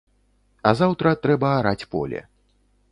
А заўтра трэба араць поле.